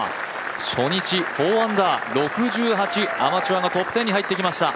初日４アンダー６８、アマチュアがトップ１０に入ってきました。